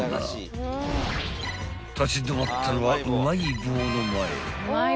［立ち止まったのはうまい棒の前］